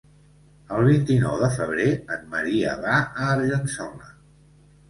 El vint-i-nou de febrer en Maria va a Argençola.